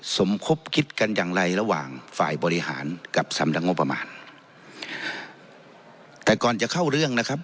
สมคบคิดกันอย่างไรระหว่างฝ่ายบริหารกับสำนักงบประมาณแต่ก่อนจะเข้าเรื่องนะครับ